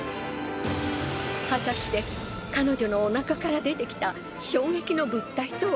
果たして彼女のお腹から出てきた衝撃の物体とは？